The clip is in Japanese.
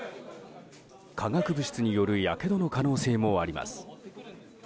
化学物質によるやけどの可能性もあります。